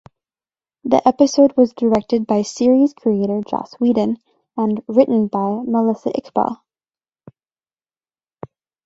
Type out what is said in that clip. The episode was directed by series creator Joss Whedon and written by Melissa Iqbal.